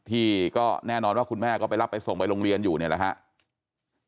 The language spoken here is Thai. ที่ก็แน่นอนว่าคุณแม่ก็ไปรับไปส่งไปโรงเรียนอยู่เนี่ยแหละครับ